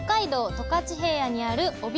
十勝平野にある帯広市。